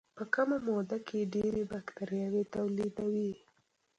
په کمه موده کې ډېرې باکتریاوې تولیدوي.